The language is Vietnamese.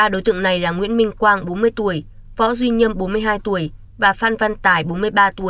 ba đối tượng này là nguyễn minh quang bốn mươi tuổi võ duy nhâm bốn mươi hai tuổi và phan văn tài bốn mươi ba tuổi